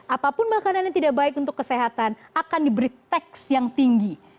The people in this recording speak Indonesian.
apapun makanan yang tidak baik untuk kesehatan akan diberi teks yang tinggi